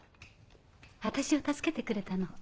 私を助けてくれたの。